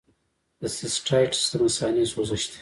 د سیسټایټس د مثانې سوزش دی.